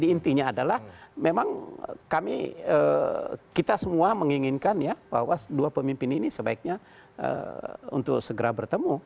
intinya adalah memang kami kita semua menginginkan ya bahwa dua pemimpin ini sebaiknya untuk segera bertemu